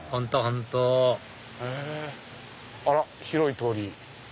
本当あら広い通り。